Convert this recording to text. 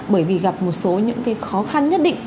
bởi vì gặp một số những khó khăn nhất định